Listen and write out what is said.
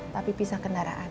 tapi pisah kendaraan